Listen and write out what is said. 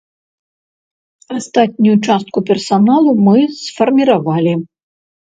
Астатнюю частку персаналу мы сфарміравалі.